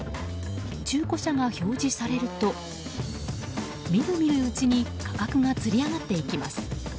中古車が表示されると見る見るうちに価格がつり上がっていきます。